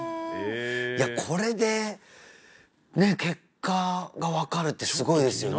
いやこれでねっ結果が分かるってすごいですよね